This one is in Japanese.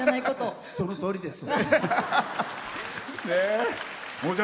そのとおりです。